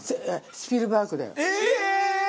スピルバーグだ！